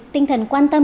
tinh thần quan tâm